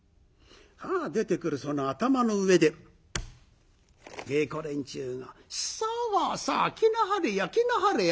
さあ出てくるその頭の上で芸子連中が「さあさあ着なはれや着なはれや。